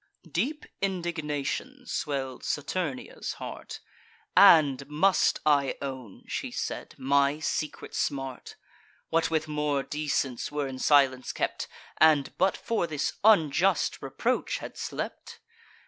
Deep indignation swell'd Saturnia's heart: "And must I own," she said, "my secret smart— What with more decence were in silence kept, And, but for this unjust reproach, had slept?